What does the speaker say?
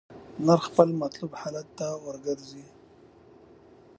نرخ خپل مطلوب حالت ته ورګرځي.